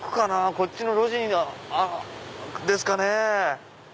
こっちの路地にあるんですかね？